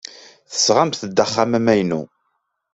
Tesɣamt-d axxam amaynu.